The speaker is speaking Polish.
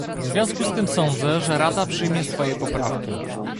W związku z tym sądzę, że Rada przyjmie swoje poprawki